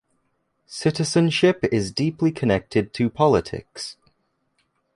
Citizenship is deeply connected to politics.